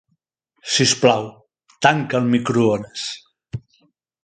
Si us plau, tanca el microones.